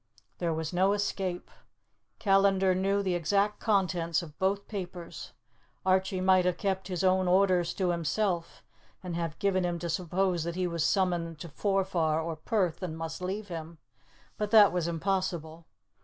There was no escape. Callandar knew the exact contents of both papers. Archie might have kept his own orders to himself, and have given him to suppose that he was summoned to Forfar or Perth, and must leave him; but that was impossible.